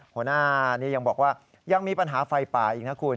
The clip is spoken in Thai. หัวหน้านี้ยังบอกว่ายังมีปัญหาไฟป่าอีกนะคุณ